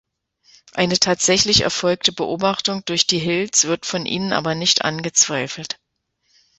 Eine tatsächlich erfolgte Beobachtung durch die Hills wird von ihnen aber nicht angezweifelt.